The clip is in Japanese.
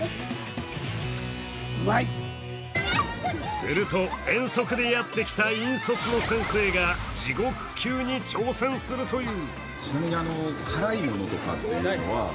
すると、遠足でやってきた引率の先生が地獄級に挑戦するという。